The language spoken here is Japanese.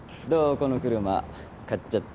この車買っちゃった。